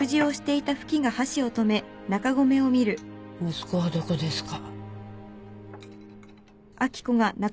息子はどこですか？